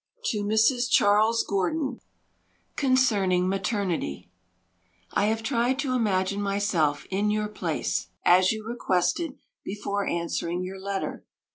To Mrs. Charles Gordon Concerning Maternity I have tried to imagine myself in your place, as you requested, before answering your letter.